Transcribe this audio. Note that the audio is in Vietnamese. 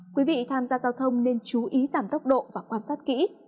quý vị tham gia giao thông nên chú ý giảm tốc độ và quan sát kỹ